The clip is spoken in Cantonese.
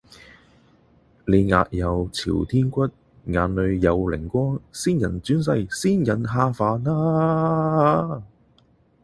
你額有朝天骨，眼裡有靈光，仙人轉世，神仙下凡